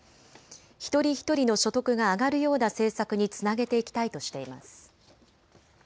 一人一人の所得が上がるような政策につなげていきたいとしています。